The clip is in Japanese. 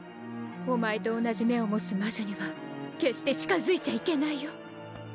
お前と同じ目を持つ魔女には決して近づいちゃいけないよ